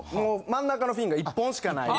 真ん中のフィンが１本しかない。